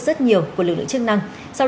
rất nhiều của lực lượng chức năng